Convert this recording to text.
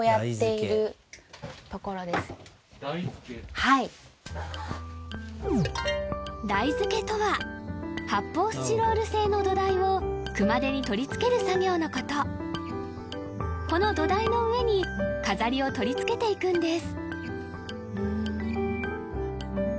はい台付けとは発泡スチロール製の土台を熊手に取り付ける作業のことこの土台の上に飾りを取り付けていくんです